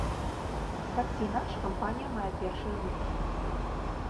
Так ці інакш, кампанія мае першыя вынікі.